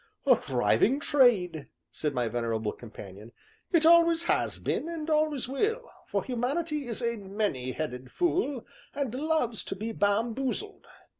"A thriving trade!" said my venerable companion; "it always has been, and always will, for Humanity is a many headed fool, and loves to be 'bamboozled.'